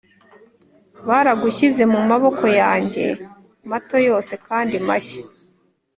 baragushyize mu maboko yanjye mato yose kandi mashya